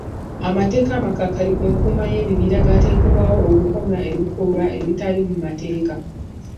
Amateeka amakakali ku nkuuma y'ebibira gateekebwawo okukomya ebikolwa ebitali mu mateeka.